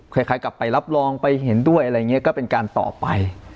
คล้ายกลับไปรับรองไปเห็นด้วยอะไรอย่างนี้ก็เป็นการต่อไป